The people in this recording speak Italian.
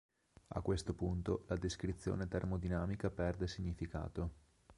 A questo punto la descrizione termodinamica perde significato.